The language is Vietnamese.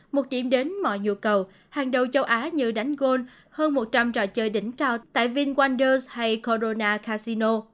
một điểm đến mọi nhu cầu hàng đầu châu á như đánh gôn hơn một trăm linh trò chơi đỉnh cao tại vingwonders hay corona casino